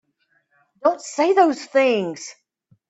Don't say those things!